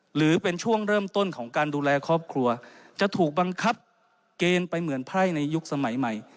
หรือเป็นช่วงเริ่มต้นของการดูแลครอบครัวจะถูกบังคับเกณฑ์ไปเหมือนไพร่ในยุคสมัยใหม่